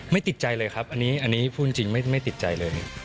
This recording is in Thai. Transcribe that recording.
ติดใจเลยครับอันนี้พูดจริงไม่ติดใจเลย